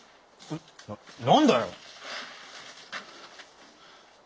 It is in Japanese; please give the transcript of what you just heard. な何だよ！